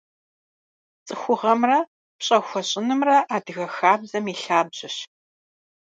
Цӏыхугъэмрэ пщӏэ хуэщӏынымрэ адыгэ хабзэм и лъабжьэщ.